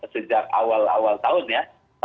sejak awal awal tahun ya